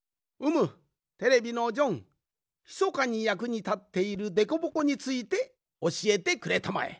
ひそかにやくにたっているでこぼこについておしえてくれたまえ。